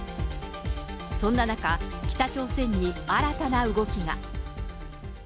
そんな中、北朝鮮に新たな動きが。